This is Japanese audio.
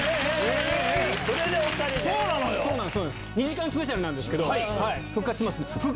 ２時間スペシャルなんですけど復活します。